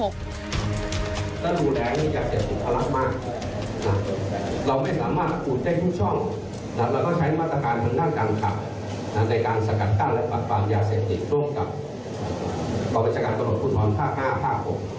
บริษักรรมภูทรภูทรภาค๕และภาค๖